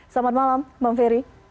selamat malam bang ferry